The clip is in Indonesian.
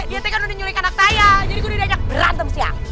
dia te kan udah nyulihkan anak saya jadi gue udah diajak berantem siang